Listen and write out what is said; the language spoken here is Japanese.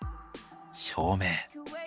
照明。